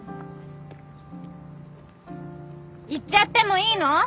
行っちゃってもいいの？